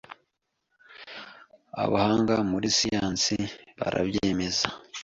abahanga muri siyansi barabyemeza